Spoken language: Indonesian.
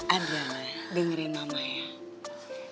adriana dengerin mama ya